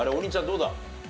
どうだ？